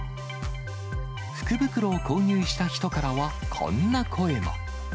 福袋を購入した人からは、こんな声も。